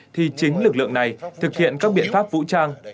thì chính lực lượng này thực hiện các biện pháp vũ trang